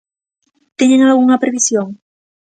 ¿Teñen algunha previsión?